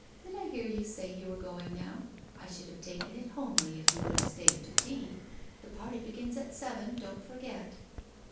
Did I hear you say you were going now? I should have taken it homely if you would have stayed to tea. The party begins at seven, don't forget."